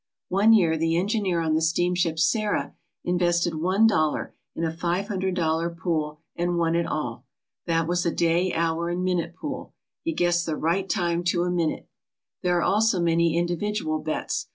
One year the engineer on the steamship Sarah invested one dollar in a five hundred dolfer pool, and won it all. That was a day, hour, and minute pool. He guessed the right time to a minute. There are also many individual bets.